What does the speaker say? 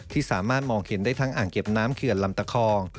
สามารถมองเห็นได้ทั้งอ่างเก็บน้ำเขื่อนลำตะคอง